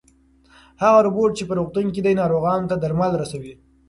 هغه روبوټ چې په روغتون کې دی ناروغانو ته درمل رسوي.